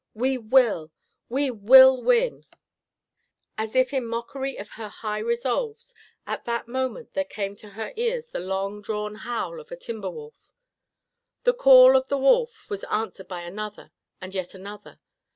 We will! We will win!" As if in mockery of her high resolves, at that moment there came to her ears the long drawn howl of a timber wolf. The call of the wolf was answered by another, and yet another.